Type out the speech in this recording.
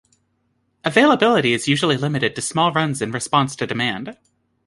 Availability is usually limited to small runs in response to demand.